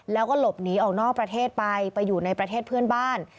แล้วก็หลบหนีออกนอกประเทศไปไปอยู่ในประเทศเพื่อนบ้าน